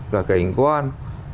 cả cảnh quan